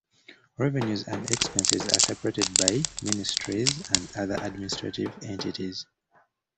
Revenues and expenses are separated by ministries and other administrative entities.